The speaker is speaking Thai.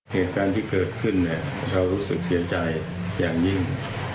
เหตุการณ์ที่เกิดขึ้นเนี่ยเรารู้สึกเสียใจอย่างยิ่ง